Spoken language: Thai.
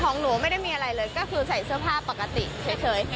ของหนูไม่ได้มีอะไรเลยก็คือใส่เสื้อผ้าปกติเฉย